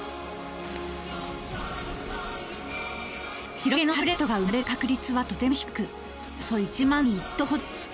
白毛のサラブレッドが生まれる確率はとても低くおよそ１万頭に１頭ほど。